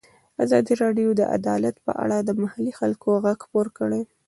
ازادي راډیو د عدالت په اړه د محلي خلکو غږ خپور کړی.